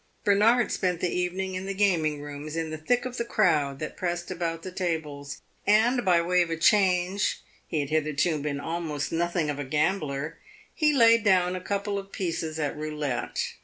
Bernard spent the evening in the gaming rooms, in the thick of the crowd that pressed about the tables, and by way of a change he had hitherto been almost nothing of a gambler he laid down a couple of pieces at roulette.